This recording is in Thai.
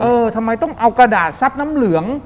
ทำไมต้องเอากระดาษซับน้ำเหลือง